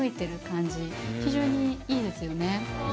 非常にいいですよね。